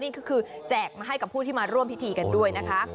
นี่ก็คือแจกมาให้กับผู้ที่มาร่วมพิธีกันด้วยนะคะ